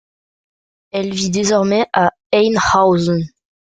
Elle vit désormais à Einhausen.